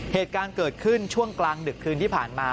เหตุการณ์เกิดขึ้นช่วงกลางดึกคืนที่ผ่านมา